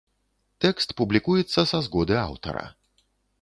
Тэкст публікуецца са згоды аўтара.